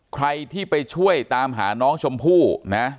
ใครที่ไปช่วยตามหาน้องชมพู่นะ